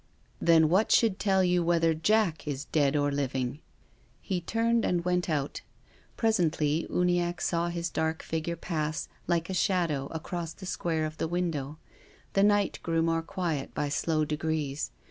" Then what should tell you whether Jack is dead or living? " He turned and went out. Presently Uniacke saw his dark figure pass, like a shadow, across the square of the window. The night grew more quiet by slow degrees.